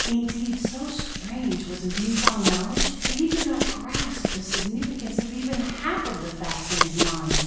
Indeed, so strange was his new found knowledge, that he could not grasp the significance of even half of the facts in his mind.